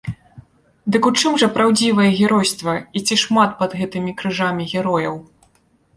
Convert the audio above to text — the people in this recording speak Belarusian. Дык у чым жа праўдзівае геройства і ці шмат пад гэтымі крыжамі герояў?